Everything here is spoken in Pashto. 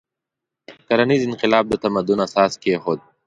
کرنیز انقلاب د تمدن اساس کېښود.